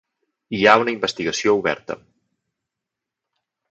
Hi ha una investigació oberta.